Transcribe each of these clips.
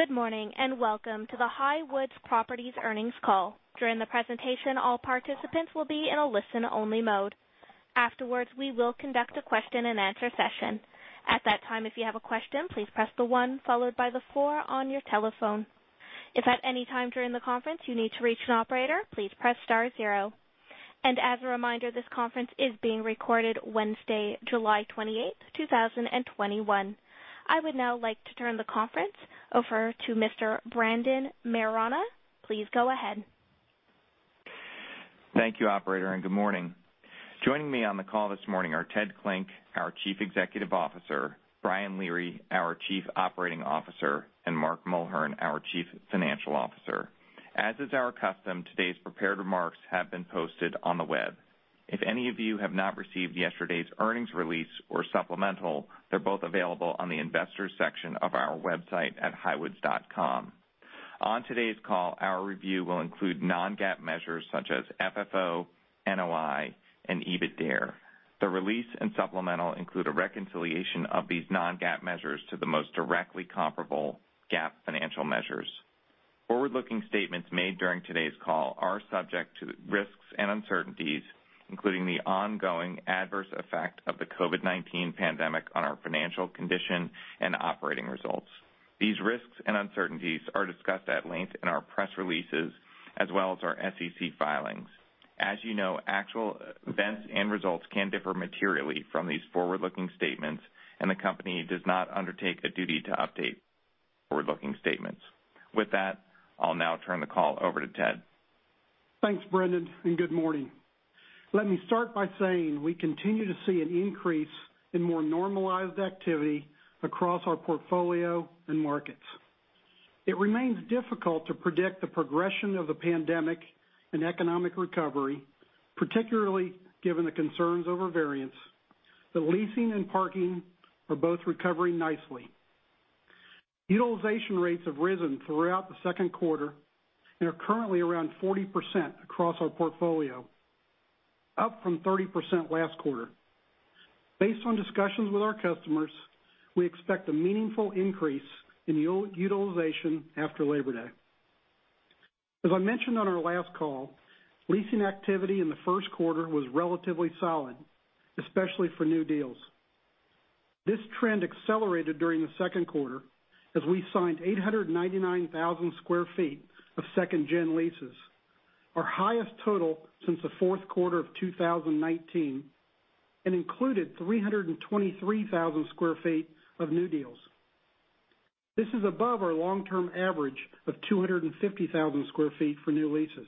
Good morning, and welcome to the Highwoods Properties earnings call. During the presentation, all participants will be in a listen-only mode. Afterwards, we will conduct a question-and-answer session. At that time, if you have a question, please press the one followed by the four on your telephone. If at any time during the conference you need to reach an operator, please press star zero. As a reminder, this conference is being recorded Wednesday, July 28, 2021. I would now like to turn the conference over to Mr. Brendan Maiorana. Please go ahead. Thank you, operator, and good morning. Joining me on the call this morning are Ted Klinck, our Chief Executive Officer, Brian Leary, our Chief Operating Officer, and Mark Mulhern, our Chief Financial Officer. As is our custom, today's prepared remarks have been posted on the web. If any of you have not received yesterday's earnings release or supplemental, they're both available on the investors section of our website at highwoods.com. On today's call, our review will include non-GAAP measures such as FFO, NOI, and EBITDAre. The release and supplemental include a reconciliation of these non-GAAP measures to the most directly comparable GAAP financial measures. Forward-looking statements made during today's call are subject to risks and uncertainties, including the ongoing adverse effect of the COVID-19 pandemic on our financial condition and operating results. These risks and uncertainties are discussed at length in our press releases as well as our SEC filings. As you know, actual events and results can differ materially from these forward-looking statements, and the company does not undertake a duty to update forward-looking statements. With that, I'll now turn the call over to Ted. Thanks, Brendan, good morning. Let me start by saying we continue to see an increase in more normalized activity across our portfolio and markets. It remains difficult to predict the progression of the pandemic and economic recovery, particularly given the concerns over variants. The leasing and parking are both recovering nicely. Utilization rates have risen throughout the second quarter and are currently around 40% across our portfolio, up from 30% last quarter. Based on discussions with our customers, we expect a meaningful increase in utilization after Labor Day. As I mentioned on our last call, leasing activity in the first quarter was relatively solid, especially for new deals. This trend accelerated during the second quarter as we signed 899,000 sq ft of second gen leases, our highest total since the fourth quarter of 2019 and included 323,000 sq ft of new deals. This is above our long-term average of 250,000 sq ft for new leases.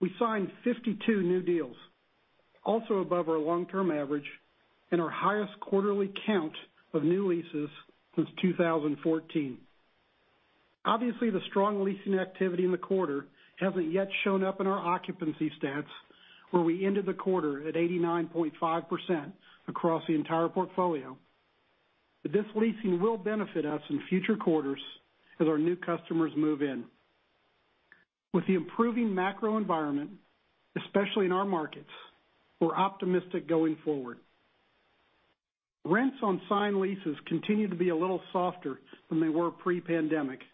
We signed 52 new deals, also above our long-term average and our highest quarterly count of new leases since 2014. Obviously, the strong leasing activity in the quarter hasn't yet shown up in our occupancy stats where we ended the quarter at 89.5% across the entire portfolio. This leasing will benefit us in future quarters as our new customers move in. With the improving macro environment, especially in our markets, we're optimistic going forward. Rents on signed leases continue to be a little softer than they were pre-pandemic, but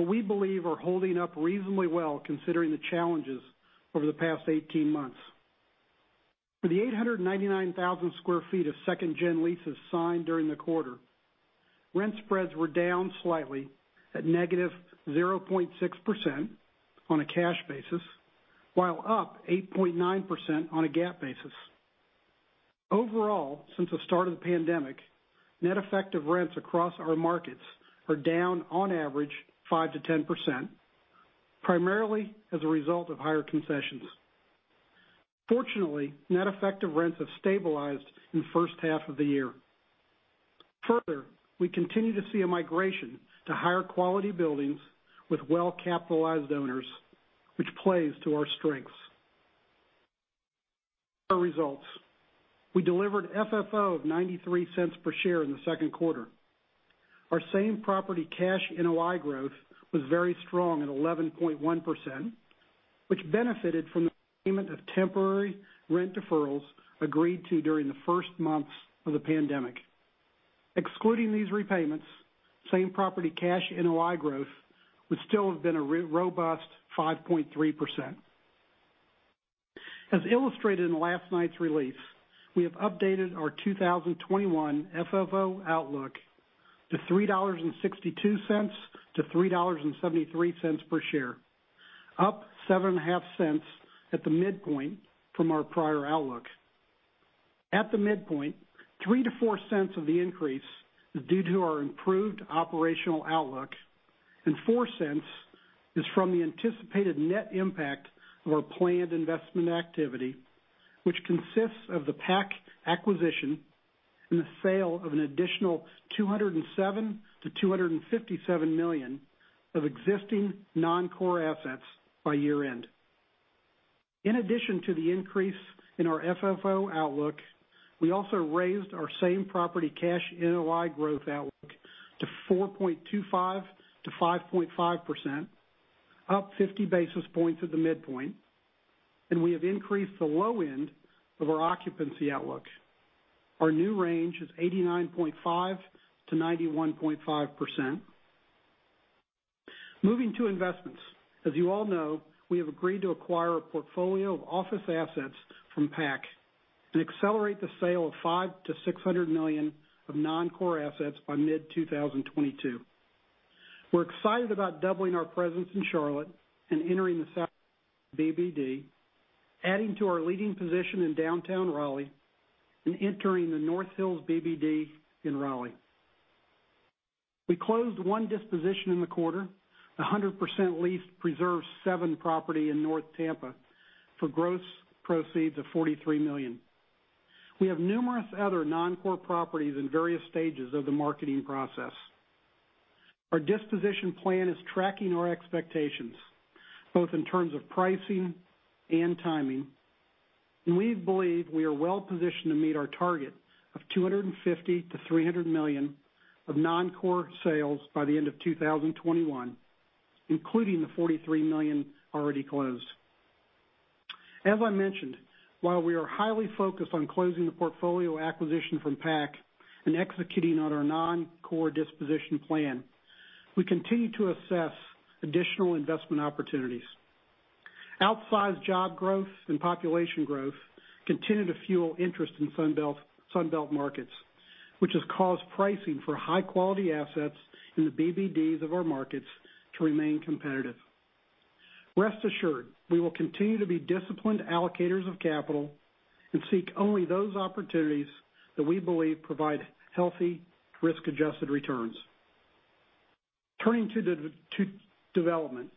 we believe are holding up reasonably well considering the challenges over the past 18 months. For the 899,000 sq ft of second gen leases signed during the quarter, rent spreads were down slightly at -0.6% on a cash basis, while up 8.9% on a GAAP basis. Overall, since the start of the pandemic, net effective rents across our markets are down on average 5%-10%, primarily as a result of higher concessions. Fortunately, net effective rents have stabilized in the first half of the year. Further, we continue to see a migration to higher quality buildings with well-capitalized owners, which plays to our strengths. Our results. We delivered FFO of $0.93 per share in the second quarter. Our same property cash NOI growth was very strong at 11.1%, which benefited from the payment of temporary rent deferrals agreed to during the first months of the pandemic. Excluding these repayments, same property cash NOI growth would still have been a robust 5.3%. As illustrated in last night's release, we have updated our 2021 FFO outlook to $3.62-$3.73 per share, up $0.075 at the midpoint from our prior outlook. At the midpoint, $0.03-$0.04 of the increase is due to our improved operational outlook, and $0.04 is from the anticipated net impact of our planned investment activity, which consists of the PAC acquisition and the sale of an additional $207 million-$257 million of existing non-core assets by year-end. In addition to the increase in our FFO outlook, we also raised our same property cash NOI growth outlook to 4.25%-5.5%, up 50 basis points at the midpoint. We have increased the low end of our occupancy outlook. Our new range is 89.5%-91.5%. Moving to investments. As you all know, we have agreed to acquire a portfolio of office assets from PAC and accelerate the sale of $500 million-$600 million of non-core assets by mid-2022. We're excited about doubling our presence in Charlotte and entering the BBD, adding to our leading position in downtown Raleigh, and entering the North Hills BBD in Raleigh. We closed one disposition in the quarter, 100% leased Preserve VII property in North Tampa for gross proceeds of $43 million. We have numerous other non-core properties in various stages of the marketing process. Our disposition plan is tracking our expectations, both in terms of pricing and timing. We believe we are well positioned to meet our target of $250 million-$300 million of non-core sales by the end of 2021, including the $43 million already closed. As I mentioned, while we are highly focused on closing the portfolio acquisition from PAC and executing on our non-core disposition plan, we continue to assess additional investment opportunities. Outsized job growth and population growth continue to fuel interest in Sunbelt markets. Which has caused pricing for high-quality assets in the BBDs of our markets to remain competitive. Rest assured, we will continue to be disciplined allocators of capital and seek only those opportunities that we believe provide healthy risk-adjusted returns. Turning to development.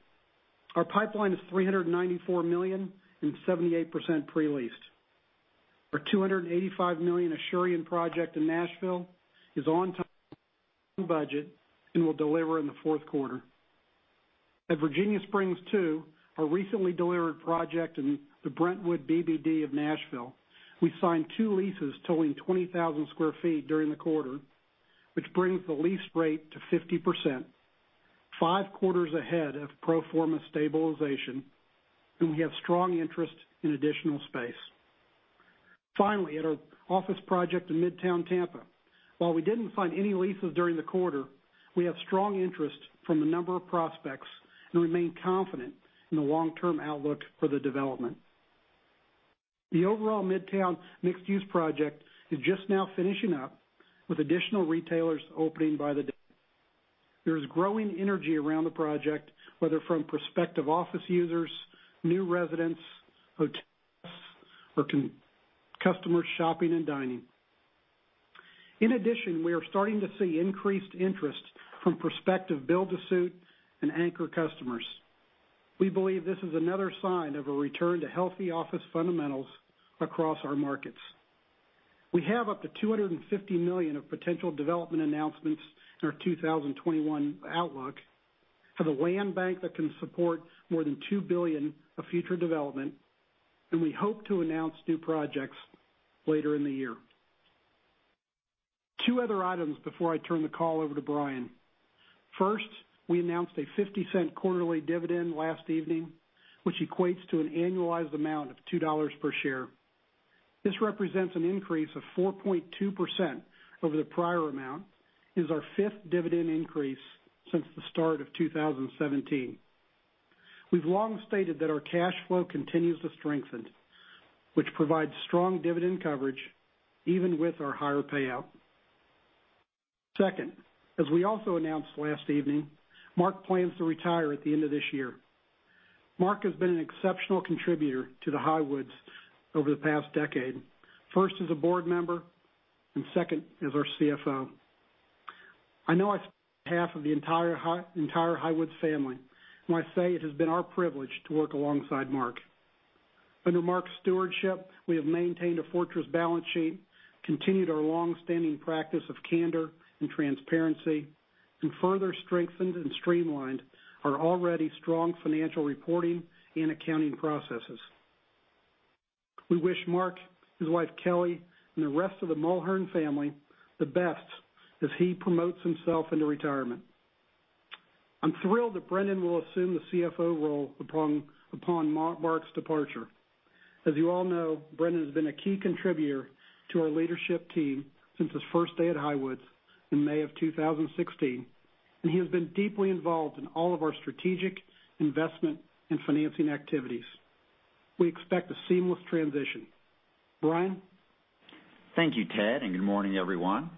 Our pipeline is $394 million and 78% pre-leased. Our $285 million Asurion project in Nashville is on time and budget and will deliver in the fourth quarter. At Virginia Springs II, our recently delivered project in the Brentwood BBD of Nashville, we signed two leases totaling 20,000 sq ft during the quarter, which brings the lease rate to 50%, five quarters ahead of pro forma stabilization, and we have strong interest in additional space. Finally, at our office project in Midtown Tampa, while we didn't find any leases during the quarter, we have strong interest from a number of prospects and remain confident in the long-term outlook for the development. The overall Midtown mixed-use project is just now finishing up, with additional retailers opening by the day. There's growing energy around the project, whether from prospective office users, new residents, hotels, or customers shopping and dining. We are starting to see increased interest from prospective build-to-suit and anchor customers. We believe this is another sign of a return to healthy office fundamentals across our markets. We have up to $250 million of potential development announcements in our 2021 outlook for the land bank that can support more than $2 billion of future development. We hope to announce new projects later in the year. Two other items before I turn the call over to Brian. First, we announced a $0.50 quarterly dividend last evening, which equates to an annualized amount of $2 per share. This represents an increase of 4.2% over the prior amount, is our fifth dividend increase since the start of 2017. We've long stated that our cash flow continues to strengthen, which provides strong dividend coverage even with our higher payout. Second, as we also announced last evening, Mark plans to retire at the end of this year. Mark has been an exceptional contributor to Highwoods over the past decade, first as a board member, and second as our CFO. I know I speak on behalf of the entire Highwoods family when I say it has been our privilege to work alongside Mark. Under Mark's stewardship, we have maintained a fortress balance sheet, continued our longstanding practice of candor and transparency, and further strengthened and streamlined our already strong financial reporting and accounting processes. We wish Mark, his wife Kelly, and the rest of the Mulhern family the best as he promotes himself into retirement. I'm thrilled that Brendan will assume the CFO role upon Mark's departure. As you all know, Brendan has been a key contributor to our leadership team since his first day at Highwoods in May of 2016, and he has been deeply involved in all of our strategic investment and financing activities. We expect a seamless transition. Brian? Thank you, Ted, and good morning, everyone.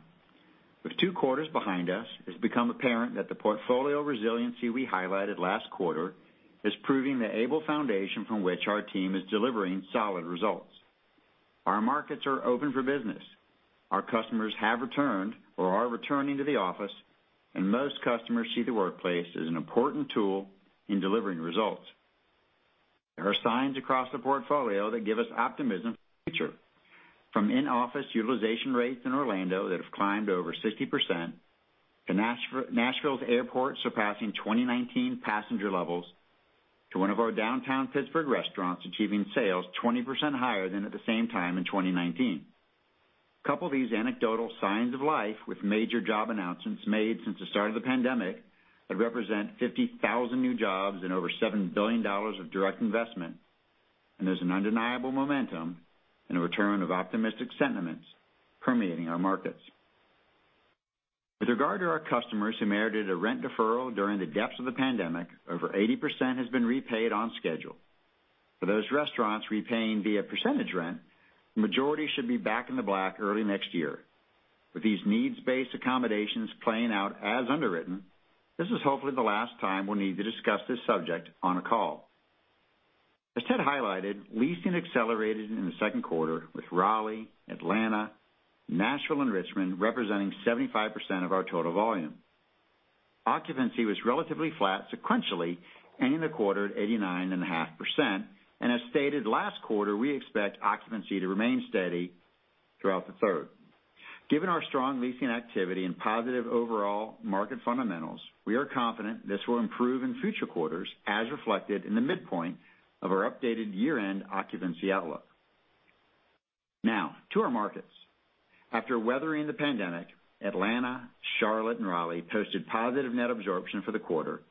With two quarters behind us, it's become apparent that the portfolio resiliency we highlighted last quarter is proving the able foundation from which our team is delivering solid results. Our markets are open for business. Our customers have returned or are returning to the office, and most customers see the workplace as an important tool in delivering results. There are signs across the portfolio that give us optimism for the future, from in-office utilization rates in Orlando that have climbed over 60%, to Nashville's airport surpassing 2019 passenger levels, to one of our downtown Pittsburgh restaurants achieving sales 20% higher than at the same time in 2019. Couple these anecdotal signs of life with major job announcements made since the start of the pandemic that represent 50,000 new jobs and over $7 billion of direct investment, there's an undeniable momentum and a return of optimistic sentiments permeating our markets. With regard to our customers who merited a rent deferral during the depths of the pandemic, over 80% has been repaid on schedule. For those restaurants repaying via percentage rent, the majority should be back in the black early next year. With these needs-based accommodations playing out as underwritten, this is hopefully the last time we'll need to discuss this subject on a call. As Ted highlighted, leasing accelerated in the second quarter with Raleigh, Atlanta, Nashville, and Richmond representing 75% of our total volume. Occupancy was relatively flat sequentially, ending the quarter at 89.5%. As stated last quarter, we expect occupancy to remain steady throughout the third. Given our strong leasing activity and positive overall market fundamentals, we are confident this will improve in future quarters, as reflected in the midpoint of our updated year-end occupancy outlook. Now, to our markets. After weathering the pandemic, Atlanta, Charlotte, and Raleigh posted positive net absorption for the quarter,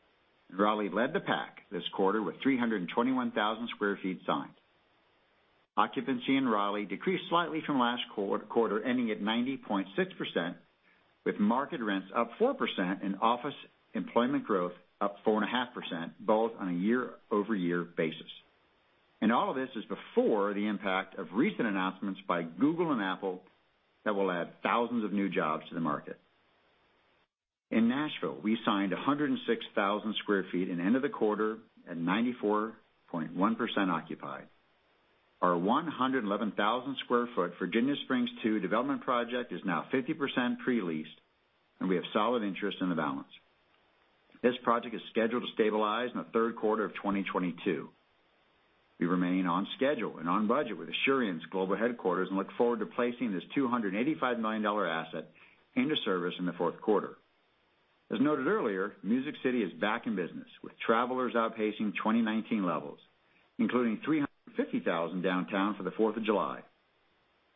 and Raleigh led the pack this quarter with 321,000 sq ft signed. Occupancy in Raleigh decreased slightly from last quarter, ending at 90.6%, with market rents up 4% and office employment growth up 4.5%, both on a year-over-year basis. All of this is before the impact of recent announcements by Google and Apple that will add thousands of new jobs to the market. In Nashville, we signed 106,000 sq ft and end of the quarter at 94.1% occupied. Our 111,000 sq ft Virginia Springs II development project is now 50% pre-leased, and we have solid interest in the balance. This project is scheduled to stabilize in the third quarter of 2022. We remain on schedule and on budget with Asurion's global headquarters and look forward to placing this $285 million asset into service in the fourth quarter. As noted earlier, Music City is back in business, with travelers outpacing 2019 levels, including 350,000 downtown for July 4th.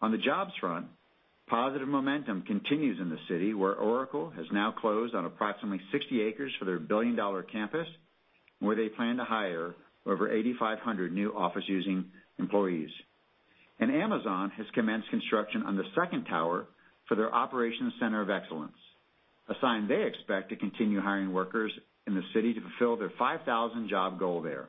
On the jobs front, positive momentum continues in the city where Oracle has now closed on approximately 60 acres for their billion-dollar campus, where they plan to hire over 8,500 new office using employees. Amazon has commenced construction on the second tower for their Operations Center of Excellence, a sign they expect to continue hiring workers in the city to fulfill their 5,000 job goal there.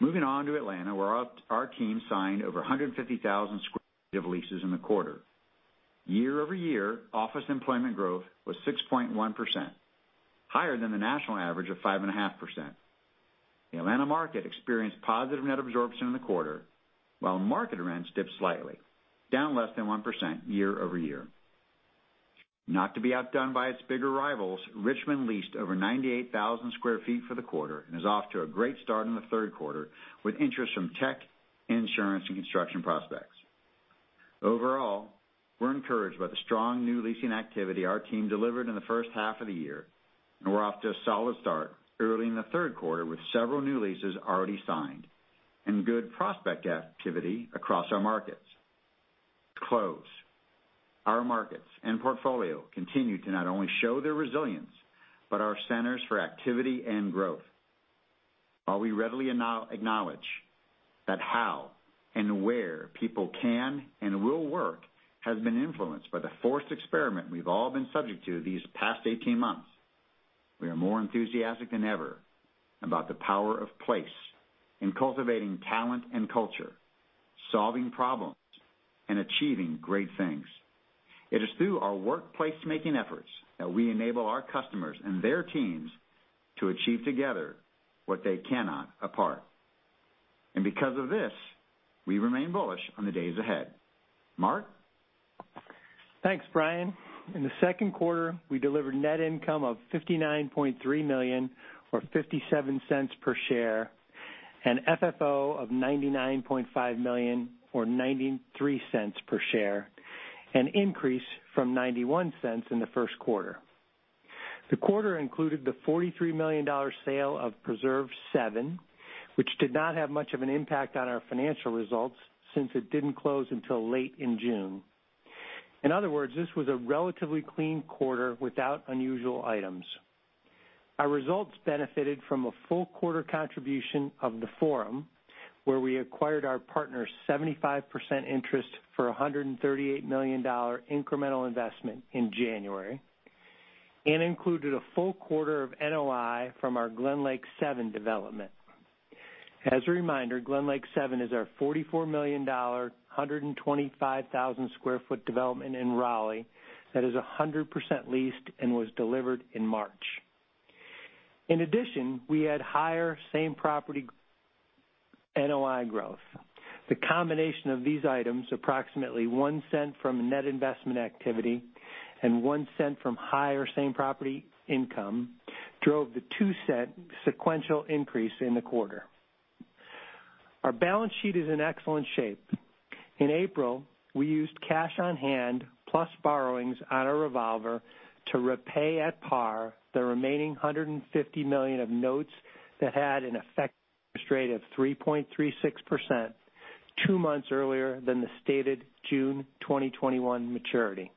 Moving on to Atlanta, where our team signed over 150,000 sq ft of leases in the quarter. Year-over-year, office employment growth was 6.1%, higher than the national average of 5.5%. The Atlanta market experienced positive net absorption in the quarter, while market rents dipped slightly, down less than 1% year-over-year. Not to be outdone by its bigger rivals, Richmond leased over 98,000 sq ft for the quarter and is off to a great start in the third quarter, with interest from tech, insurance, and construction prospects. Overall, we're encouraged by the strong new leasing activity our team delivered in the first half of the year, and we're off to a solid start early in the third quarter with several new leases already signed and good prospect activity across our markets. To close, our markets and portfolio continue to not only show their resilience, but are centers for activity and growth. While we readily acknowledge that how and where people can and will work has been influenced by the forced experiment we've all been subject to these past 18 months, we are more enthusiastic than ever about the power of place in cultivating talent and culture, solving problems, and achieving great things. It is through our workplace making efforts that we enable our customers and their teams to achieve together what they cannot apart. Because of this, we remain bullish on the days ahead. Mark? Thanks, Brian. In the second quarter, we delivered net income of $59.3 million, or $0.57 per share, and FFO of $99.5 million, or $0.93 per share, an increase from $0.91 in the first quarter. The quarter included the $43 million sale of Preserve VII, which did not have much of an impact on our financial results since it didn't close until late in June. In other words, this was a relatively clean quarter without unusual items. Our results benefited from a full quarter contribution of The Forum, where we acquired our partner's 75% interest for $138 million incremental investment in January, and included a full quarter of NOI from our GlenLake Seven development. As a reminder, GlenLake Seven is our $44 million, 125,000 sq ft development in Raleigh that is 100% leased and was delivered in March. In addition, we had higher same property NOI growth. The combination of these items, approximately $0.01 from net investment activity and $0.01 from higher same property income, drove the $0.02 sequential increase in the quarter. Our balance sheet is in excellent shape. In April, we used cash on hand plus borrowings on our revolver to repay at par the remaining $150 million of notes that had an effective rate of 3.36%, two months earlier than the stated June 2021 maturity.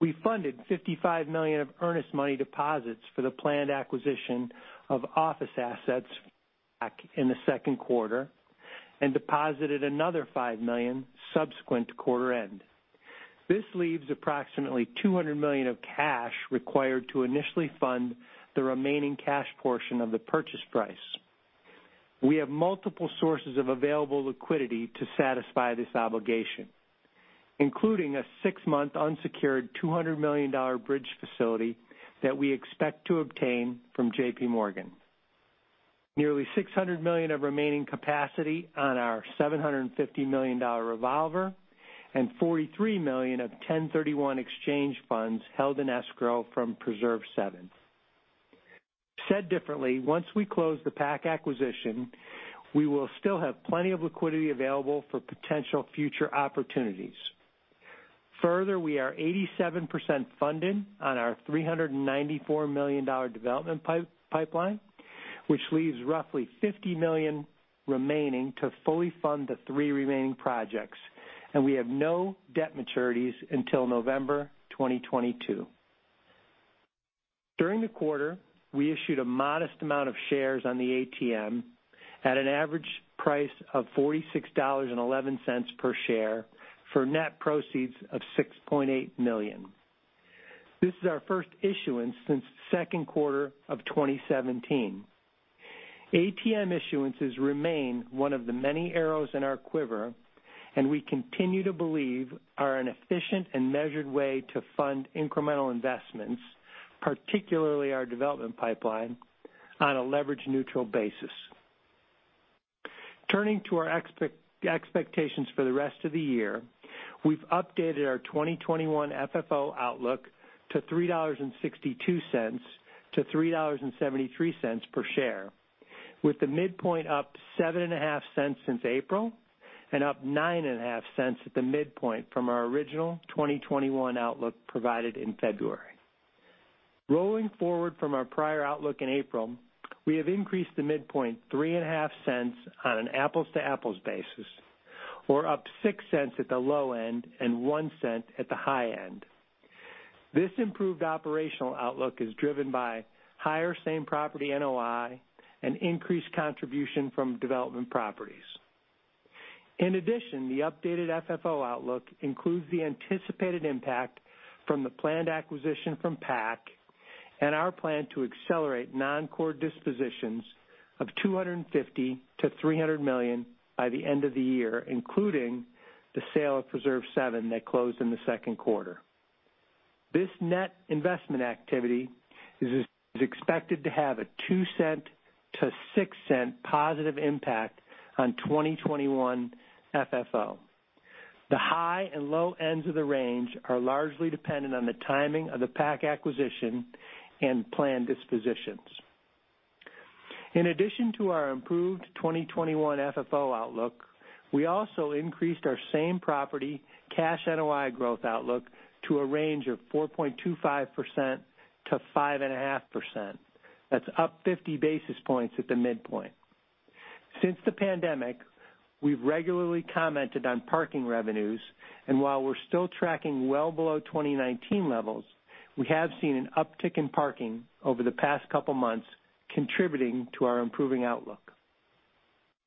We funded $55 million of earnest money deposits for the planned acquisition of office assets back in the second quarter and deposited another $5 million subsequent quarter end. This leaves approximately $200 million of cash required to initially fund the remaining cash portion of the purchase price. We have multiple sources of available liquidity to satisfy this obligation, including a six-month unsecured $200 million bridge facility that we expect to obtain from JPMorgan. Nearly $600 million of remaining capacity on our $750 million revolver and $43 million of 1031 exchange funds held in escrow from Preserve VII. Said differently, once we close the PAC acquisition, we will still have plenty of liquidity available for potential future opportunities. Further, we are 87% funded on our $394 million development pipeline, which leaves roughly $50 million remaining to fully fund the three remaining projects, and we have no debt maturities until November 2022. During the quarter, we issued a modest amount of shares on the ATM at an average price of $46.11 per share for net proceeds of $6.8 million. This is our first issuance since the second quarter of 2017. ATM issuances remain one of the many arrows in our quiver, and we continue to believe are an efficient and measured way to fund incremental investments, particularly our development pipeline, on a leverage neutral basis. Turning to our expectations for the rest of the year, we've updated our 2021 FFO outlook to $3.62-$3.73 per share, with the midpoint up $0.075 since April and up $0.095 at the midpoint from our original 2021 outlook provided in February. Rolling forward from our prior outlook in April, we have increased the midpoint $0.035 on an apples-to-apples basis, or up $0.06 at the low end and $0.01 at the high end. This improved operational outlook is driven by higher same property NOI and increased contribution from development properties. In addition, the updated FFO outlook includes the anticipated impact from the planned acquisition from PAC and our plan to accelerate non-core dispositions of $250 million-$300 million by the end of the year, including the sale of Preserve VII that closed in the second quarter. This net investment activity is expected to have a $0.02-$0.06 positive impact on 2021 FFO. The high and low ends of the range are largely dependent on the timing of the PAC acquisition and planned dispositions. In addition to our improved 2021 FFO outlook, we also increased our same property cash NOI growth outlook to a range of 4.25%-5.5%. That's up 50 basis points at the midpoint. Since the pandemic, we've regularly commented on parking revenues, and while we're still tracking well below 2019 levels, we have seen an uptick in parking over the past couple of months contributing to our improving outlook.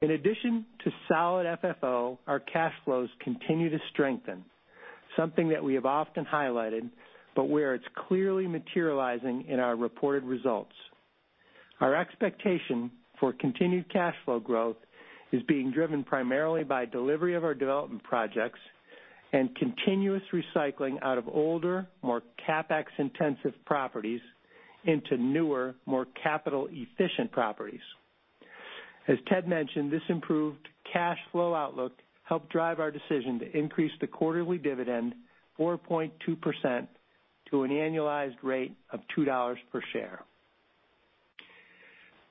In addition to solid FFO, our cash flows continue to strengthen, something that we have often highlighted, but where it's clearly materializing in our reported results. Our expectation for continued cash flow growth is being driven primarily by delivery of our development projects and continuous recycling out of older, more CapEx intensive properties into newer, more capital efficient properties. As Ted mentioned, this improved cash flow outlook helped drive our decision to increase the quarterly dividend 4.2% to an annualized rate of $2 per share.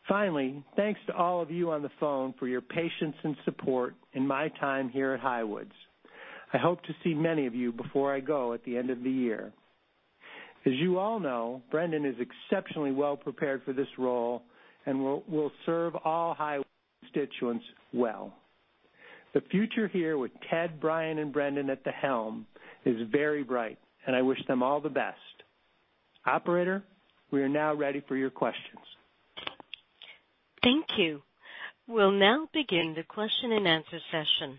Finally, thanks to all of you on the phone for your patience and support in my time here at Highwoods. I hope to see many of you before I go at the end of the year. As you all know, Brendan is exceptionally well prepared for this role and will serve all Highwoods constituents well. The future here with Ted, Brian, and Brendan at the helm is very bright and I wish them all the best. Operator, we are now ready for your questions. Thank you. We'll now begin the question-and-answer session.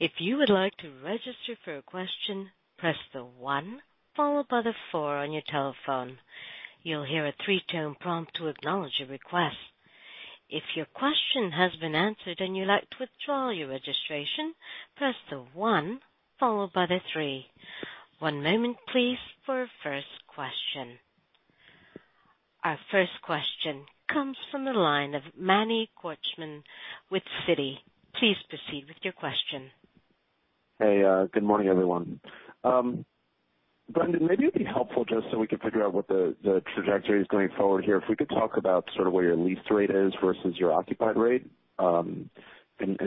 If you would like to register for a question, press the one followed by the four on your telephone. You will hear a tone promt to acknowledge your request. If your question has been answered and you would like to withdraw your registration, press the one followed by three. One moment please for our first question. Our first question comes from the line of Manny Korchman with Citi. Please proceed with your question. Hey, good morning, everyone. Brendan, maybe it would be helpful just so we can figure out what the trajectory is going forward here, if we could talk about sort of where your lease rate is versus your occupied rate, and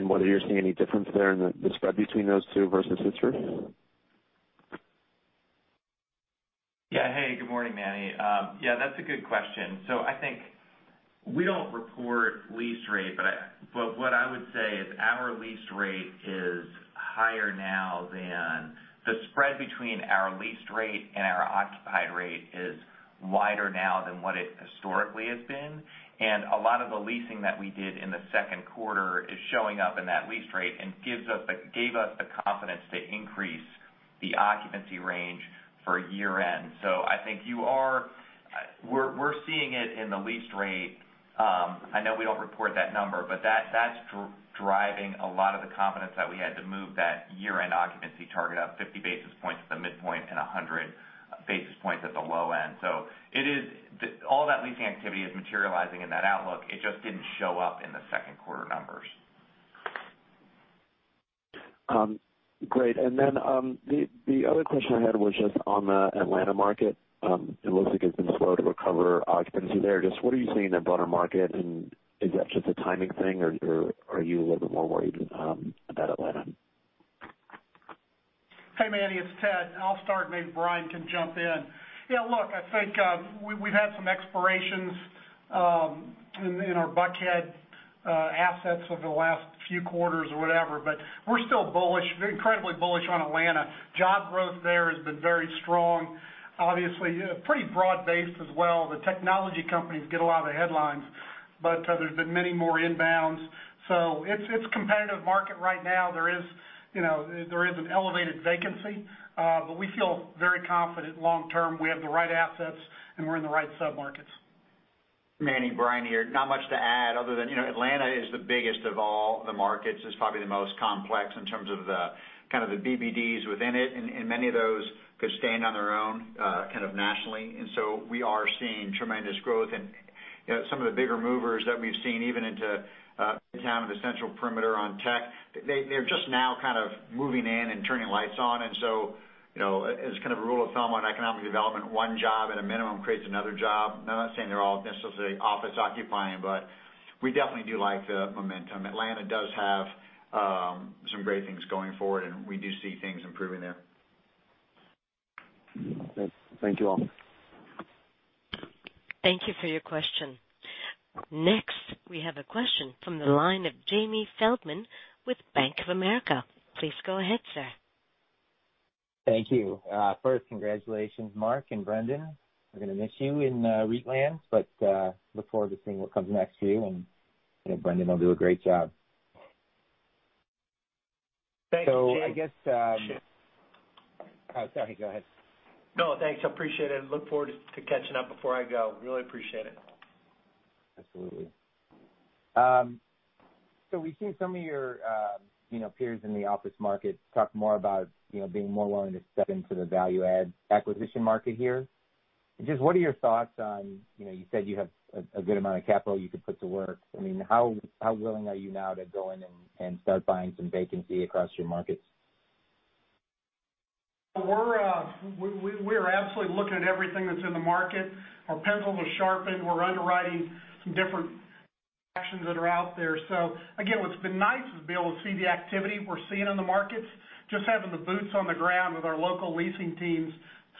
whether you are seeing any difference there in the spread between those two versus history? Yeah. Hey, good morning, Manny. Yeah, that's a good question. I think we don't report lease rate, but what I would say is our lease rate is higher now than The spread between our leased rate and our occupied rate is wider now than what it historically has been. A lot of the leasing that we did in the second quarter is showing up in that lease rate and gave us the confidence to increase the occupancy range for year-end. I think we're seeing it in the lease rate. I know we don't report that number, but that's driving a lot of the confidence that we had to move that year-end occupancy target up 50 basis points at the midpoint and 100 basis points at the low end. All that leasing activity is materializing in that outlook. It just didn't show up in the second quarter numbers. Great. The other question I had was just on the Atlanta market. It looks like it's been slow to recover occupancy there. Just what are you seeing in the broader market, and is that just a timing thing, or are you a little bit more worried about Atlanta? Hey, Manny, it's Ted. I'll start, maybe Brian can jump in. Look, I think, we've had some expirations in our Buckhead assets over the last few quarters or whatever, but we're still bullish. We're incredibly bullish on Atlanta. Job growth there has been very strong. Obviously, pretty broad-based as well. The technology companies get a lot of the headlines, but there's been many more inbounds. It's a competitive market right now. There is an elevated vacancy. We feel very confident long-term. We have the right assets, and we're in the right sub-markets. Manny, Brian here. Not much to add other than Atlanta is the biggest of all the markets. It's probably the most complex in terms of the BBDs within it, and many of those could stand on their own nationally. We are seeing tremendous growth. Some of the bigger movers that we've seen, even into midtown and the central perimeter on tech, they're just now kind of moving in and turning lights on. As kind of a rule of thumb on economic development, one job at a minimum creates another job. Now, I'm not saying they're all necessarily office occupying, but we definitely do like the momentum. Atlanta does have some great things going forward, and we do see things improving there. Thank you all. Thank you for your question. We have a question from the line of Jamie Feldman with Bank of America. Please go ahead, sir. Thank you. Congratulations, Mark and Brendan. We're going to miss you in REIT land, but look forward to seeing what comes next for you, and I know Brendan will do a great job. Thank you, Jamie. So I guess- Appreciate it. Oh, sorry. Go ahead. No, thanks. I appreciate it. Look forward to catching up before I go. Really appreciate it. Absolutely. We've seen some of your peers in the office market talk more about being more willing to step into the value add acquisition market here. Just what are your thoughts on? You said you have a good amount of capital you could put to work. How willing are you now to go in and start buying some vacancy across your markets? We're absolutely looking at everything that's in the market. Our pencil is sharpened. We're underwriting some different actions that are out there. Again, what's been nice is to be able to see the activity we're seeing in the markets, just having the boots on the ground with our local leasing teams,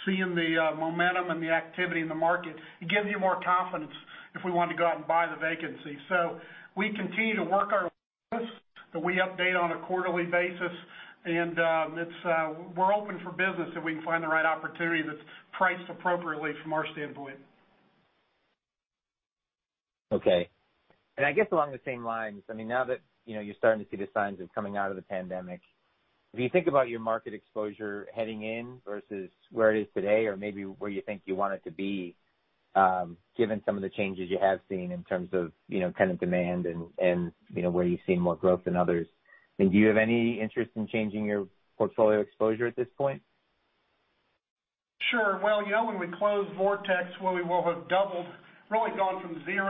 seeing the momentum and the activity in the market. It gives you more confidence if we wanted to go out and buy the vacancy. We continue to work our that we update on a quarterly basis. We're open for business if we can find the right opportunity that's priced appropriately from our standpoint. Okay. I guess along the same lines, now that you're starting to see the signs of coming out of the pandemic, if you think about your market exposure heading in versus where it is today or maybe where you think you want it to be, given some of the changes you have seen in terms of tenant demand and where you're seeing more growth than others, do you have any interest in changing your portfolio exposure at this point? Sure. Well, when we close Vortex, where we will have doubled, really gone from 0%-6%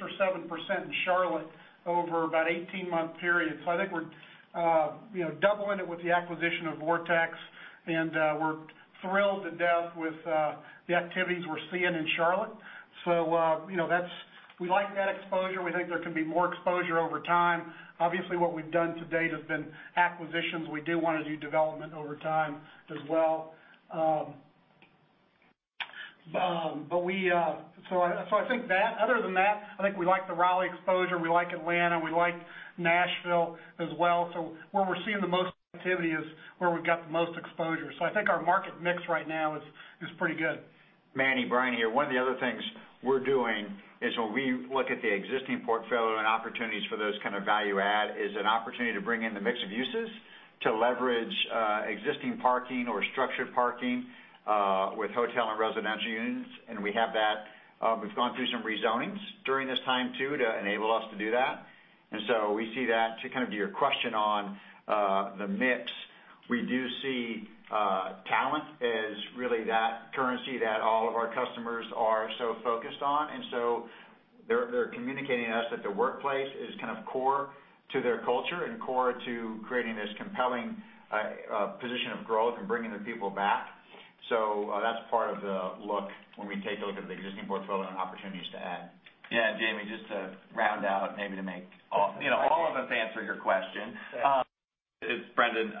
or 7% in Charlotte over about an 18-month period. I think we're doubling it with the acquisition of Vortex, and we're thrilled to death with the activities we're seeing in Charlotte. We like that exposure. We think there can be more exposure over time. Obviously, what we've done to date has been acquisitions. We do want to do development over time as well. I think other than that, I think we like the Raleigh exposure. We like Atlanta. We like Nashville as well. Where we're seeing the most activity is where we've got the most exposure. I think our market mix right now is pretty good. Manny, Brian here. One of the other things we're doing is when we look at the existing portfolio and opportunities for those kind of value add is an opportunity to bring in the mix of uses to leverage existing parking or structured parking, with hotel and residential units, and we have that. We've gone through some rezonings during this time too to enable us to do that. We see that to kind of your question on the mix, we do see talent as really that currency that all of our customers are so focused on. They're communicating to us that the workplace is kind of core to their culture and core to creating this compelling position of growth and bringing their people back. That's part of the look when we take a look at the existing portfolio and opportunities to add. Yeah. Jamie, just to round out, maybe to make all of us answer your question, it's Brendan.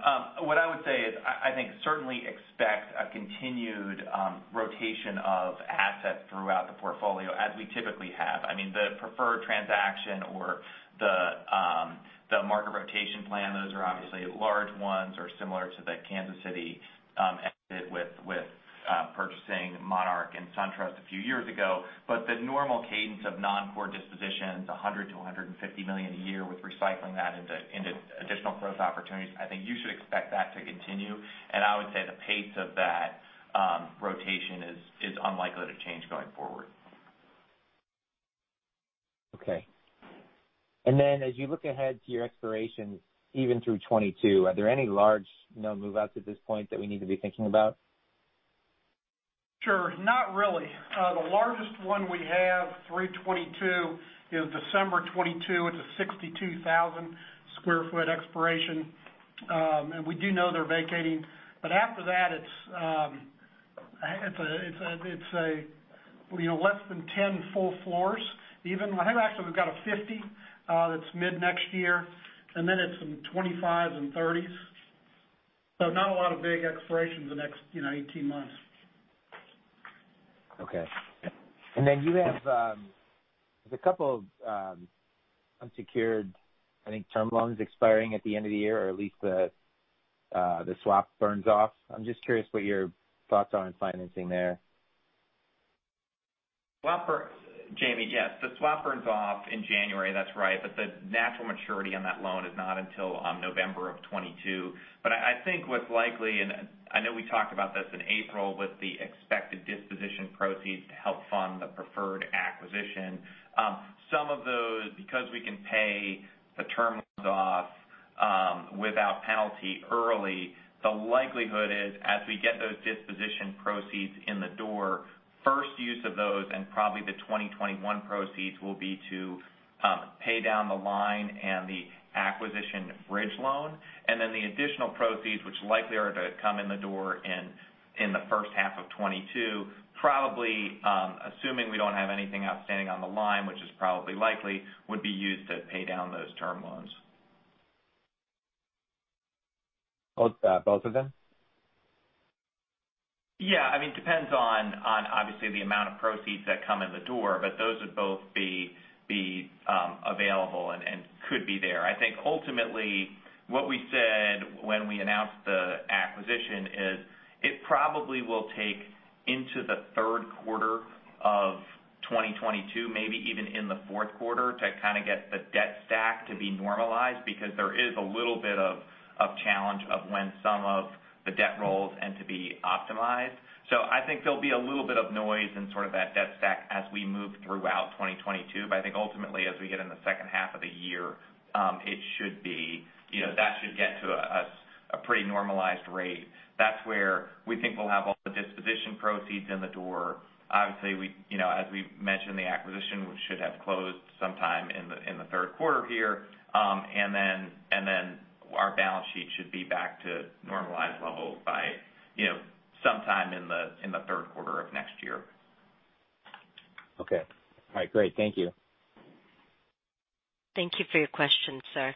What I would say is, I think certainly expect a continued rotation of assets throughout the portfolio as we typically have. The preferred transaction or the market rotation plan, those are obviously large ones or similar to the Kansas City exit with purchasing Monarch and SunTrust a few years ago. The normal cadence of non-core dispositions, $100 million-$150 million a year with recycling that into additional growth opportunities, I think you should expect that to continue. I would say the pace of that rotation is unlikely to change going forward. Okay. As you look ahead to your expirations even through 2022, are there any large move-outs at this point that we need to be thinking about? Sure. Not really. The largest one we have through 2022 is December 2022. It's a 62,000 sq ft expiration. We do know they're vacating. After that, it's less than 10 full floors even. I think actually we've got a 50 that's mid-next year, and then it's some 25s and 30s. Not a lot of big expirations in the next 18 months. Okay. You have a couple of unsecured, I think, term loans expiring at the end of the year, or at least the swap burns off. I'm just curious what your thoughts are on financing there. Jamie, yes. The swap burns off in January, that's right, but the natural maturity on that loan is not until November of 2022. I think what's likely, and I know we talked about this in April with the expected disposition proceeds to help fund the preferred acquisition. Some of those, because we can pay the term loans off without penalty early, the likelihood is as we get those disposition proceeds in the door, first use of those and probably the 2021 proceeds will be to pay down the line and the acquisition bridge loan. Then the additional proceeds, which likely are to come in the door in the first half of 2022, probably, assuming we don't have anything outstanding on the line, which is probably likely, would be used to pay down those term loans. Both of them? Yeah. It depends on obviously the amount of proceeds that come in the door, but those would both be available and could be there. I think ultimately what we said when we announced the acquisition is it probably will take into the third quarter of 2022, maybe even in the fourth quarter to kind of get the debt stack to be normalized because there is a little bit of a challenge of when some of the debt rolls and to be optimized. I think there'll be a little bit of noise in sort of that debt stack as we move throughout 2022. I think ultimately, as we get in the second half of the year, that should get to a pretty normalized rate. That's where we think we'll have all the disposition proceeds in the door. Obviously, as we've mentioned, the acquisition should have closed sometime in the third quarter here. Our balance sheet should be back to normalized levels by sometime in the third quarter of next year. Okay. All right, great. Thank you. Thank you for your question, sir.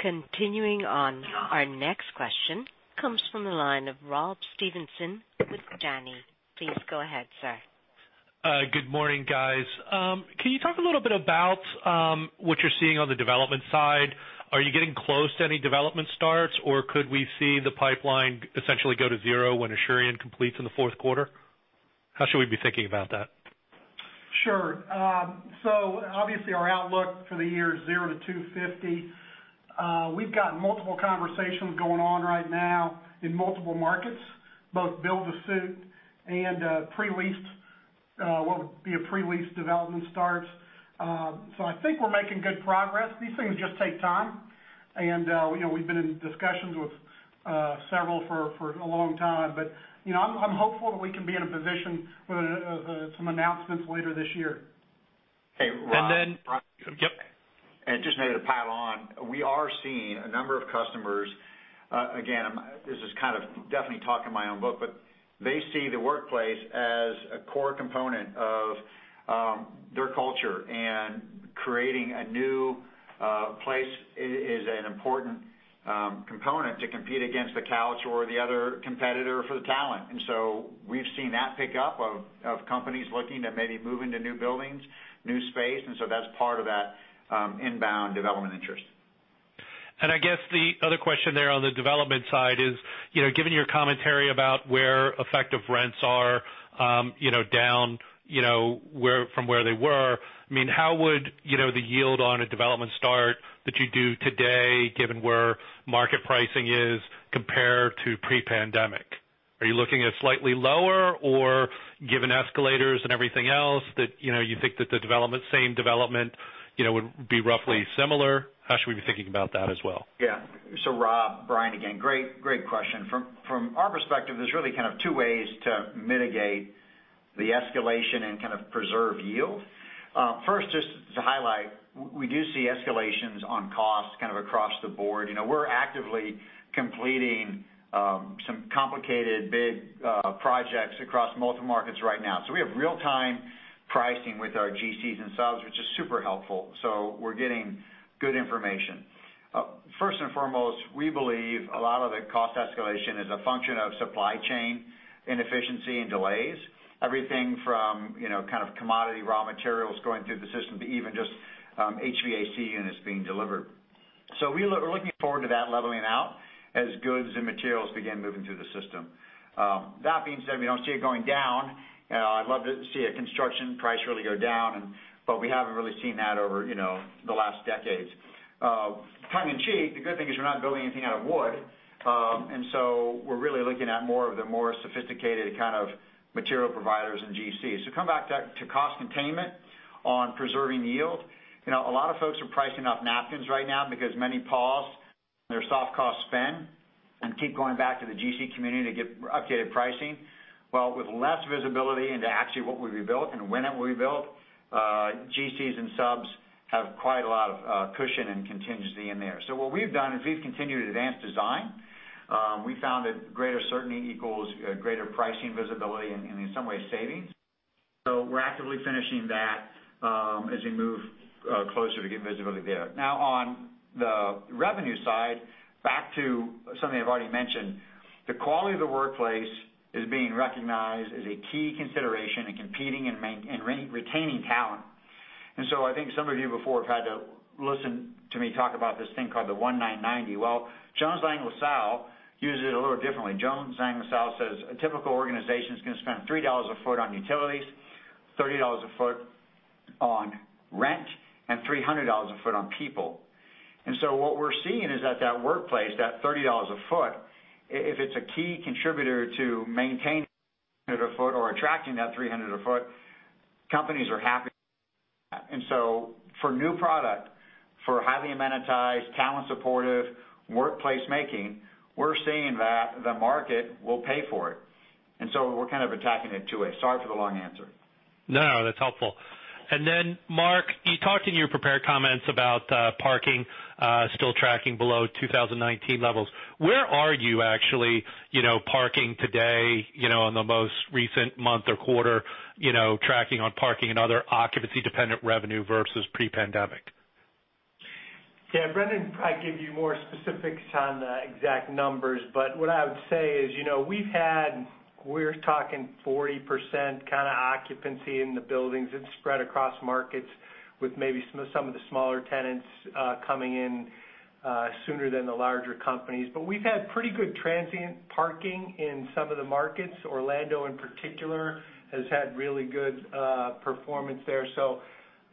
Continuing on, our next question comes from the line of Rob Stevenson with Janney. Please go ahead, sir. Good morning, guys. Can you talk a little bit about what you're seeing on the development side? Are you getting close to any development starts, or could we see the pipeline essentially go to zero when Asurion completes in the fourth quarter? How should we be thinking about that? Sure. Obviously, our outlook for the year is 0-250. We've got multiple conversations going on right now in multiple markets, both build to suit and what would be a pre-lease development starts. I think we're making good progress. These things just take time, and we've been in discussions with several for a long time. I'm hopeful that we can be in a position with some announcements later this year. Hey, Rob. Yep. Just maybe to pile on, we are seeing a number of customers. Again, this is kind of definitely talking my own book, but they see the workplace as a core component of their culture, creating a new place is an important component to compete against the couch or the other competitor for the talent. We've seen that pickup of companies looking to maybe move into new buildings, new space, and so that's part of that inbound development interest. I guess the other question there on the development side is, given your commentary about where effective rents are down from where they were. How would the yield on a development start that you do today, given where market pricing is compared to pre-pandemic? Are you looking at slightly lower or given escalators and everything else that you think that the same development would be roughly similar? How should we be thinking about that as well? Yeah. Rob, Brian again. Great question. From our perspective, there's really kind of two ways to mitigate the escalation and kind of preserve yield. First, just to highlight, we do see escalations on costs kind of across the board. We're actively completing some complicated, big projects across multiple markets right now. We have real-time pricing with our GCs and subs, which is super helpful. We're getting good information. First and foremost, we believe a lot of the cost escalation is a function of supply chain inefficiency and delays. Everything from commodity raw materials going through the system to even just HVAC units being delivered. We're looking forward to that leveling out as goods and materials begin moving through the system. That being said, we don't see it going down. I'd love to see a construction price really go down, but we haven't really seen that over the last decades. Tongue in cheek, the good thing is we're not building anything out of wood. We're really looking at more of the more sophisticated kind of material providers and GCs. To come back to cost containment on preserving yield. A lot of folks are pricing off napkins right now because many paused their soft cost spend and keep going back to the GC community to get updated pricing. Well, with less visibility into actually what we rebuilt and when it will be built, GCs and subs have quite a lot of cushion and contingency in there. What we've done is we've continued advanced design. We found that greater certainty equals greater pricing visibility, and in some ways, savings. We're actively finishing that as we move closer to get visibility there. On the revenue side, back to something I've already mentioned. The quality of the workplace is being recognized as a key consideration in competing and retaining talent. I think some of you before have had to listen to me talk about this thing called the 1-9-90 rule. Well, Jones Lang LaSalle uses it a little differently. Jones Lang LaSalle says a typical organization's going to spend $3 a foot on utilities, $30 a foot on rent, and $300 a foot on people. What we're seeing is that that workplace, that $30 a foot, if it's a key contributor to maintaining a foot or attracting that $300 a foot, companies are happy. For new product, for highly amenitized, talent-supportive workplace making, we're seeing that the market will pay for it. We're kind of attacking it two ways. Sorry for the long answer. No, that's helpful. Mark, you talked in your prepared comments about parking still tracking below 2019 levels. Where are you actually parking today in the most recent month or quarter, tracking on parking and other occupancy-dependent revenue versus pre-pandemic? Yeah, Brendan can probably give you more specifics on the exact numbers. What I would say is, we're talking 40% kind of occupancy in the buildings. It's spread across markets with maybe some of the smaller tenants coming in sooner than the larger companies. We've had pretty good transient parking in some of the markets. Orlando, in particular, has had really good performance there.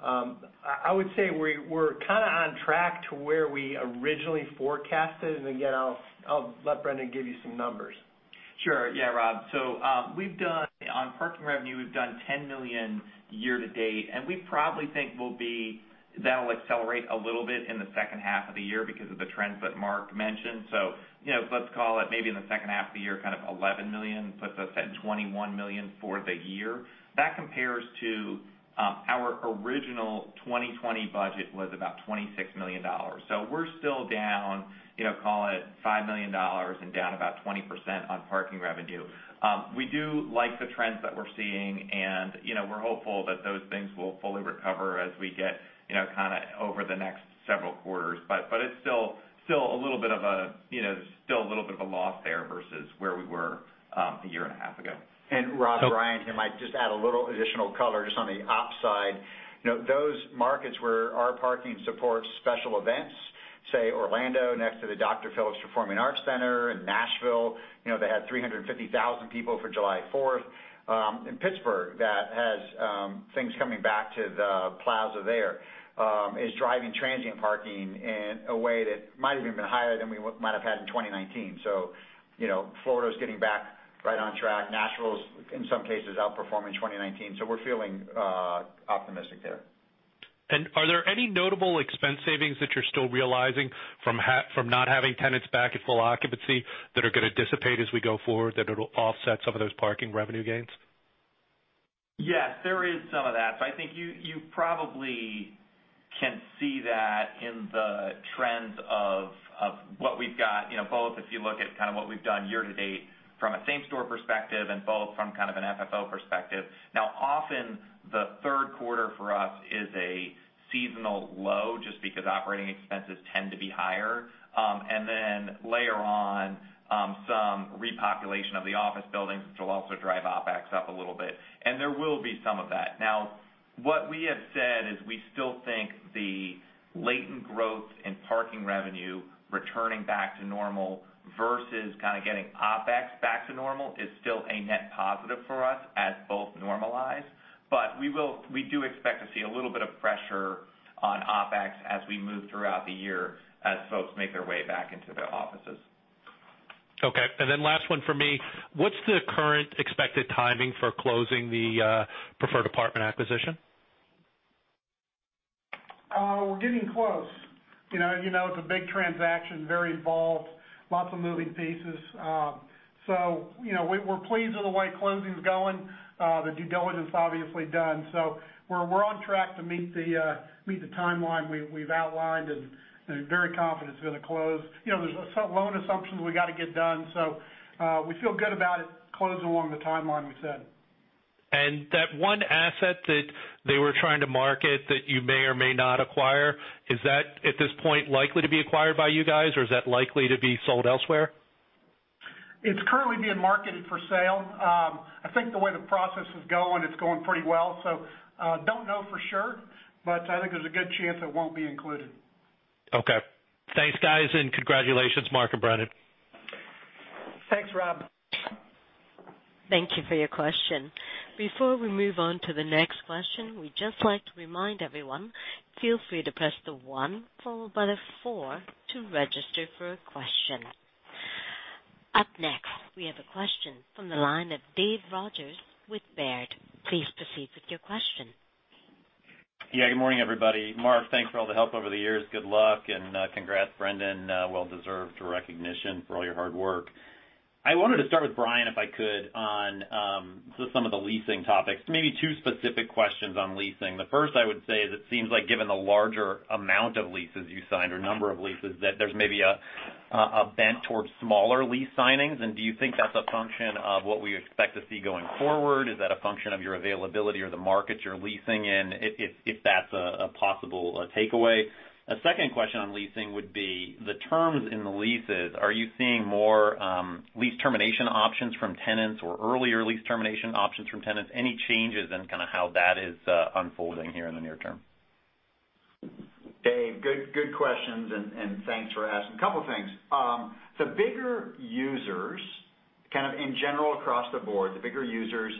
I would say we're kind of on track to where we originally forecasted. Again, I'll let Brendan give you some numbers. Sure. Yeah, Rob. On parking revenue, we've done $10 million year to date, and we probably think that'll accelerate a little bit in the second half of the year because of the trends that Mark mentioned. Let's call it maybe in the second half of the year, kind of $11 million, puts us at $21 million for the year. That compares to our original 2020 budget was about $26 million. We're still down, call it $5 million and down about 20% on parking revenue. We do like the trends that we're seeing, and we're hopeful that those things will fully recover as we get kind of over the next several quarters. It's still a little bit of a loss there versus where we were a year and a half ago. Rob, Brian here. Might just add a little additional color just on the op side. Those markets where our parking supports special events, say Orlando, next to the Dr. Phillips Performing Arts Center in Nashville. They had 350,000 people for July 4th. In Pittsburgh, that has things coming back to the plaza there, is driving transient parking in a way that might even been higher than we might have had in 2019. Florida's getting back right on track. Nashville's, in some cases, outperforming 2019. We're feeling optimistic there. Are there any notable expense savings that you're still realizing from not having tenants back at full occupancy that are going to dissipate as we go forward, that it'll offset some of those parking revenue gains? Yes, there is some of that. I think you probably can see that in the trends of what we've got, both if you look at kind of what we've done year to date from a same store perspective and both from kind of an FFO perspective. Often the third quarter for us is a seasonal low just because operating expenses tend to be higher. Then layer on some repopulation of the office buildings, which will also drive OpEx up a little bit. There will be some of that. What we have said is we still think the latent growth in parking revenue returning back to normal versus kind of getting OpEx back to normal is still a net positive for us as both normalize. We do expect to see a little bit of pressure on OpEx as we move throughout the year as folks make their way back into their offices. Okay. Last one from me. What's the current expected timing for closing the Preferred Apartment Communities acquisition? We're getting close. It's a big transaction, very involved, lots of moving pieces. We're pleased with the way closing's going. The due diligence obviously done. We're on track to meet the timeline we've outlined and very confident it's going to close. There's some loan assumptions we got to get done. We feel good about it closing along the timeline we said. That one asset that they were trying to market that you may or may not acquire, is that, at this point, likely to be acquired by you guys, or is that likely to be sold elsewhere? It's currently being marketed for sale. I think the way the process is going, it's going pretty well. Don't know for sure, but I think there's a good chance it won't be included. Okay. Thanks, guys, and congratulations, Mark and Brendan. Thanks, Rob. Thank you for your question. Before we move on to the next question, we'd just like to remind everyone. Feel free to press the one followed by the four to register for a question. Up next, we have a question from the line of Dave Rogers with Baird. Please proceed with your question. Yeah. Good morning, everybody. Mark, thanks for all the help over the years. Good luck and congrats, Brendan. Well-deserved recognition for all your hard work. I wanted to start with Brian, if I could, on just some of the leasing topics. Maybe two specific questions on leasing. The first I would say is it seems like given the larger amount of leases you signed or number of leases, that there's maybe a bent towards smaller lease signings. Do you think that's a function of what we expect to see going forward? Is that a function of your availability or the markets you're leasing in? If that's a possible takeaway. A second question on leasing would be the terms in the leases, are you seeing more lease termination options from tenants or earlier lease termination options from tenants? Any changes in kind of how that is unfolding here in the near term? Dave, good questions and thanks for asking. A couple of things. The bigger users, kind of in general across the board, the bigger users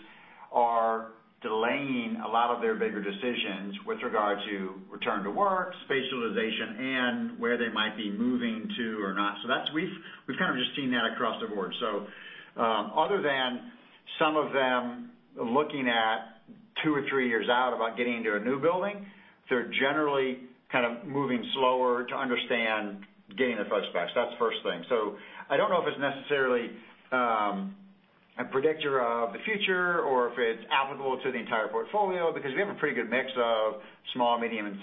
are delaying a lot of their bigger decisions with regard to return to work, space utilization, and where they might be moving to or not. We've kind of just seen that across the board. Other than some of them looking at two or three years out about getting into a new building, they're generally kind of moving slower to understand, getting their footing back. That's the first thing. I don't know if it's necessarily a predictor of the future or if it's applicable to the entire portfolio because we have a pretty good mix of small, medium, and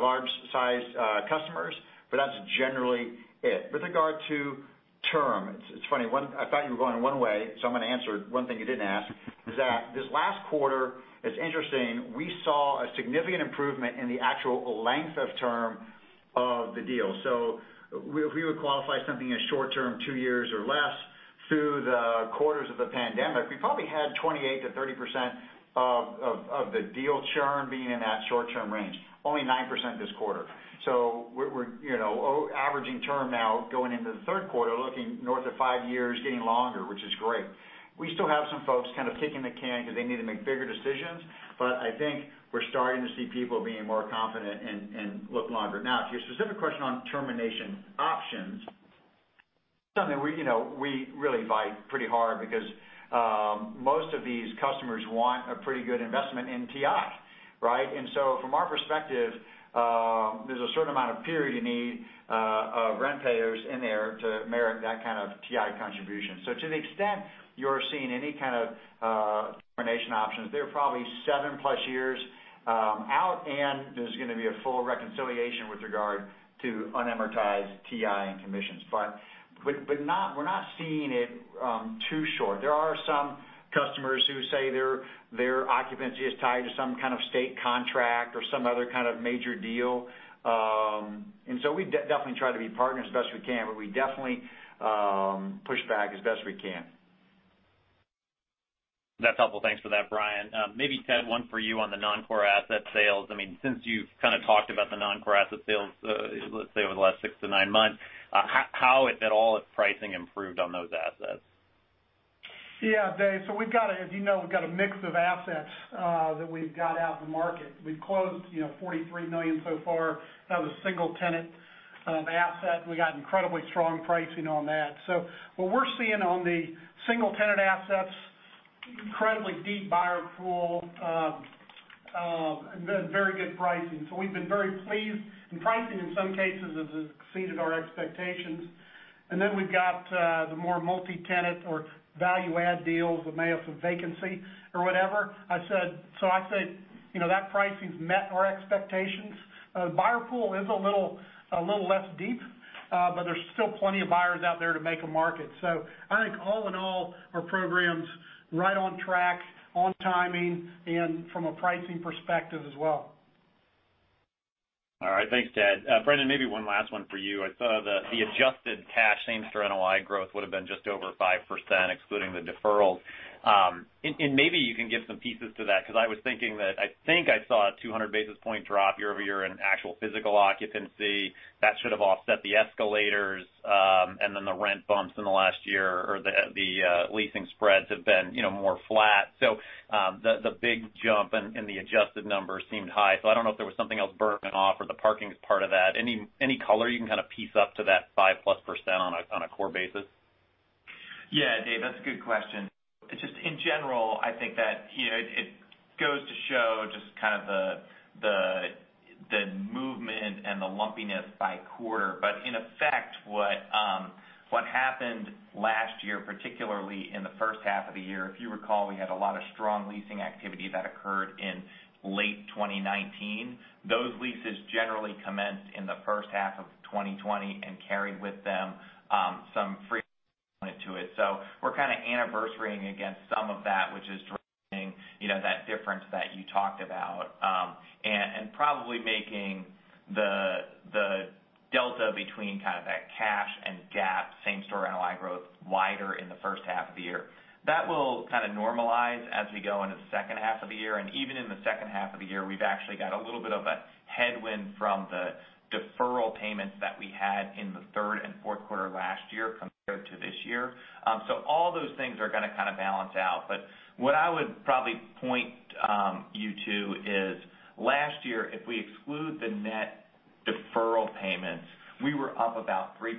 large size customers. That's generally it. With regard to term, it's funny, I thought you were going one way, so I'm going to answer one thing you didn't ask, is that this last quarter, it's interesting, we saw a significant improvement in the actual length of term of the deal. If we would qualify something as short-term, two years or less, through the quarters of the pandemic, we probably had 28%-30% of the deal churn being in that short-term range. Only 9% this quarter. We're averaging term now going into the third quarter, looking north of five years, getting longer, which is great. We still have some folks kind of kicking the can because they need to make bigger decisions, but I think we're starting to see people being more confident and look longer. Now, to your specific question on termination options, something we really bite pretty hard because most of these customers want a pretty good investment in TI, right? From our perspective, there's a certain amount of period you need of rent payers in there to merit that kind of TI contribution. To the extent you're seeing any kind of termination options, they're probably 7+ years out, and there's going to be a full reconciliation with regard to unamortized TI and commissions. We're not seeing it too short. There are some customers who say their occupancy is tied to some kind of state contract or some other kind of major deal. We definitely try to be partners as best we can, but we definitely push back as best we can. That's helpful. Thanks for that, Brian. Maybe, Ted, one for you on the non-core asset sales. Since you've kind of talked about the non-core asset sales, let's say, over the last six to nine months, how, if at all, has pricing improved on those assets? Yeah, Dave. As you know, we've got a mix of assets that we've got out in the market. We've closed $43 million so far. That was a single-tenant asset. We got incredibly strong pricing on that. What we're seeing on the single-tenant assets, incredibly deep buyer pool and then very good pricing. We've been very pleased. Pricing, in some cases, has exceeded our expectations. Then we've got the more multi-tenant or value-add deals that may have some vacancy or whatever. I'd say, that pricing's met our expectations. Buyer pool is a little less deep. There's still plenty of buyers out there to make a market. I think all in all, our program's right on track, on timing, and from a pricing perspective as well. All right. Thanks, Ted. Brendan, maybe one last one for you. I saw the adjusted cash same-store NOI growth would've been just over 5%, excluding the deferrals. Maybe you can give some pieces to that because I was thinking that I think I saw a 200 basis point drop year-over-year in actual physical occupancy. That should have offset the escalators. The rent bumps in the last year or the leasing spreads have been more flat. The big jump in the adjusted numbers seemed high. I don't know if there was something else burning off or the parking is part of that. Any color you can kind of piece up to that 5%+ on a core basis? Yeah, Dave, that's a good question. It's just in general, I think that it goes to show just kind of the movement and the lumpiness by quarter. In effect, what happened last year, particularly in the first half of the year, if you recall, we had a lot of strong leasing activity that occurred in late 2019. Those leases generally commenced in the first half of 2020 and carried with them some free. So we're kind of anniversarying against some of that, which is driving that difference that you talked about, and probably making the delta between kind of that cash and GAAP same-store NOI growth wider in the first half of the year. That will kind of normalize as we go into the second half of the year. Even in the second half of the year, we've actually got a little bit of a headwind from the deferral payments that we had in the third and fourth quarter last year compared to this year. All those things are going to kind of balance out. What I would probably point you to is last year, if we exclude the net deferral payments, we were up about 3%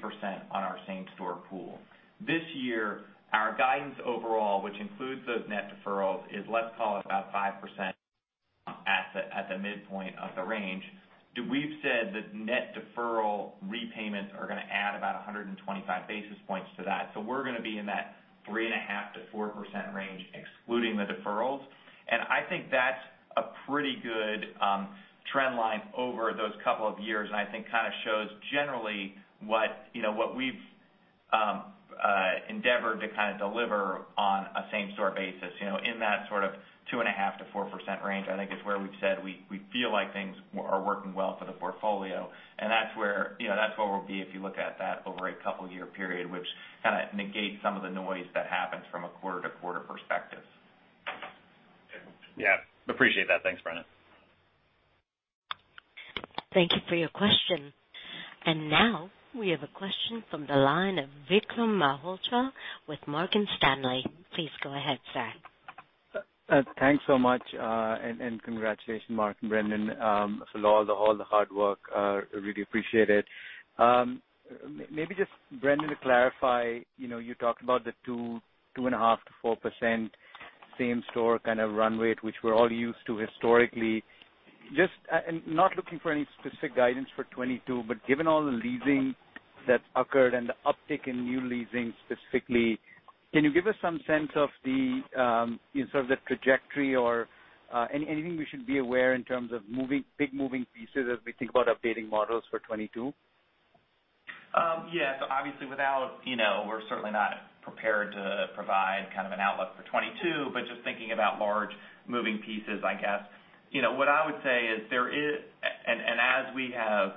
on our same-store pool. This year, our guidance overall, which includes those net deferrals, is, let's call it about 5% at the midpoint of the range. We've said that net deferral repayments are going to add about 125 basis points to that. We're going to be in that 3.5%-4% range, excluding the deferrals. I think that's a pretty good trend line over those couple of years, and I think kind of shows generally what we've endeavored to kind of deliver on a same-store basis. In that sort of 2.5%-4% range, I think, is where we've said we feel like things are working well for the portfolio, and that's where we'll be if you look at that over a couple year period, which kind of negates some of the noise that happens from a quarter-to-quarter perspective. Yeah. Appreciate that. Thanks, Brendan. Thank you for your question. Now we have a question from the line of Vikram Malhotra with Morgan Stanley. Please go ahead, sir. Thanks so much. Congratulations, Mark and Brendan, for all the hard work. I really appreciate it. Maybe just Brendan to clarify, you talked about the 2.5%-4% same-store kind of run rate, which we're all used to historically. Just not looking for any specific guidance for 2022, given all the leasing that's occurred and the uptick in new leasing specifically, can you give us some sense of the trajectory or anything we should be aware in terms of big moving pieces as we think about updating models for 2022? Obviously, we're certainly not prepared to provide kind of an outlook for 2022. Just thinking about large moving pieces, I guess. What I would say is as we have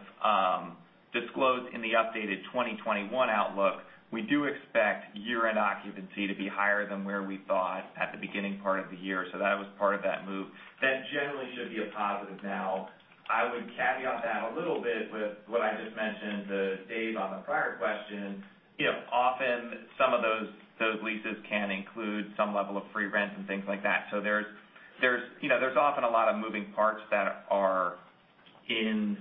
disclosed in the updated 2021 outlook, we do expect year-end occupancy to be higher than where we thought at the beginning part of the year. That was part of that move. That generally should be a positive. Now, I would caveat that a little bit with what I just mentioned to Dave on the prior question. Often some of those leases can include some level of free rent and things like that. There's often a lot of moving parts that are in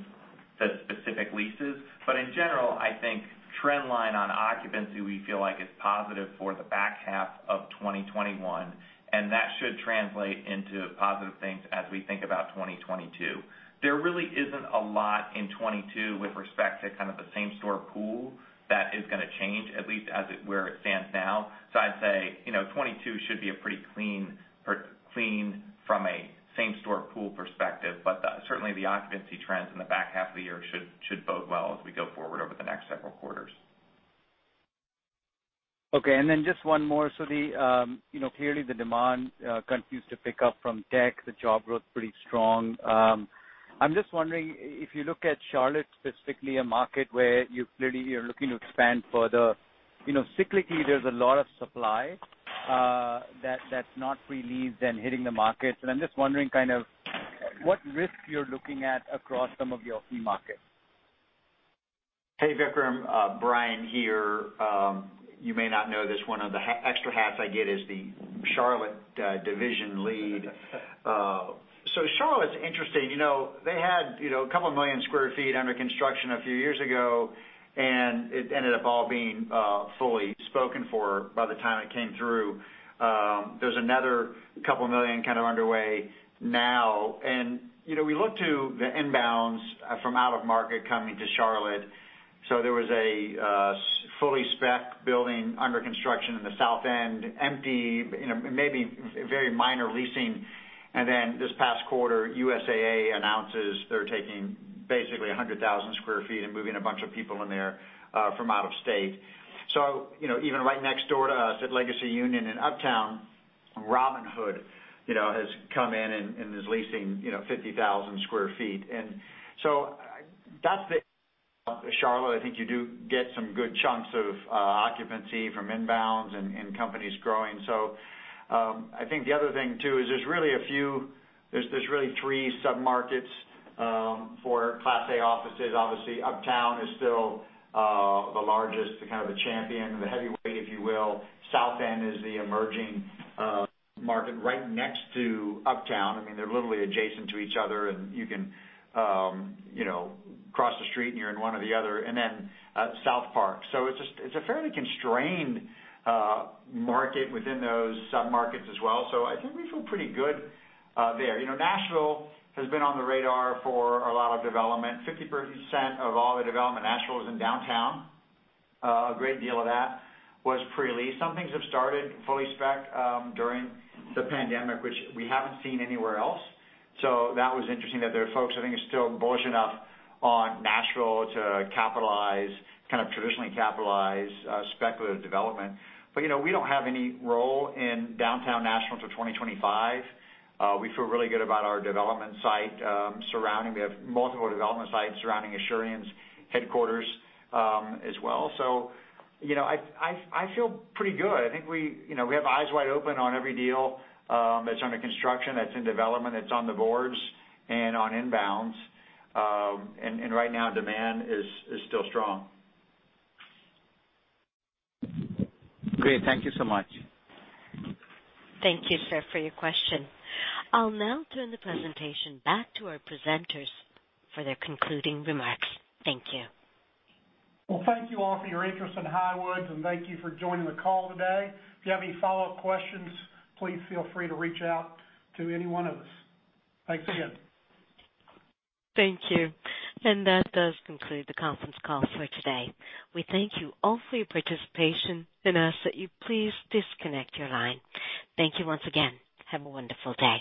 the specific leases. In general, I think trend line on occupancy, we feel like, is positive for the back half of 2021, and that should translate into positive things as we think about 2022. There really isn't a lot in 2022 with respect to kind of the same-store pool that is going to change, at least where it stands now. I'd say 2022 should be pretty clean from a same-store pool perspective. Certainly the occupancy trends in the back half of the year should bode well as we go forward over the next several quarters. Okay, just one more. Clearly the demand continues to pick up from tech. The job growth pretty strong. I'm just wondering, if you look at Charlotte specifically, a market where you clearly are looking to expand further. Cyclically, there's a lot of supply that's not pre-leased and hitting the market. I'm just wondering kind of what risks you're looking at across some of your key markets. Hey, Vikram. Brian here. You may not know this, one of the extra hats I get is the Charlotte division lead. Charlotte's interesting. They had 2,000,000 sq ft under construction a few years ago, and it ended up all being fully spoken for by the time it came through. There's another 2,000,000 kind of underway now. We look to the inbounds from out of market coming to Charlotte. There was a fully spec building under construction in the South End, empty, maybe very minor leasing. This past quarter, USAA announces they're taking basically 100,000 sq ft and moving a bunch of people in there from out of state. Even right next door to us at Legacy Union in Uptown, Robinhood has come in and is leasing 50,000 sq ft. That's the Charlotte, I think you do get some good chunks of occupancy from inbounds and companies growing. I think the other thing too is there's really three sub-markets for Class A offices. Obviously, Uptown is still the largest, kind of the champion, the heavyweight, if you will. South End is the emerging market right next to Uptown. I mean, they're literally adjacent to each other, and you can cross the street and you're in one or the other. South Park. It's a fairly constrained market within those sub-markets as well. I think we feel pretty good there. Nashville has been on the radar for a lot of development. 50% of all the development in Nashville is in downtown. A great deal of that was pre-leased. Some things have started fully spec during the pandemic, which we haven't seen anywhere else. That was interesting that there are folks I think are still bullish enough on Nashville to capitalize, kind of traditionally capitalize speculative development. We don't have any role in downtown Nashville till 2025. We have multiple development sites surrounding Asurion's headquarters as well. I feel pretty good. I think we have eyes wide open on every deal that's under construction, that's in development, that's on the boards and on inbounds. Right now, demand is still strong. Great. Thank you so much. Thank you, sir, for your question. I'll now turn the presentation back to our presenters for their concluding remarks. Thank you. Well, thank you all for your interest in Highwoods, and thank you for joining the call today. If you have any follow-up questions, please feel free to reach out to any one of us. Thanks again. Thank you. That does conclude the conference call for today. We thank you all for your participation and ask that you please disconnect your line. Thank you once again. Have a wonderful day.